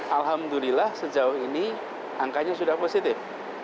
alhamdulillah sejauh ini angkanya sudah positif